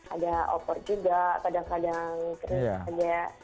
ada opor juga kadang kadang ada